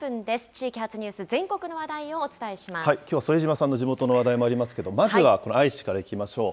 地域発ニュース、全国の話題をおきょうは副島さんの地元の話題もありますけれども、まずは愛知からいきましょう。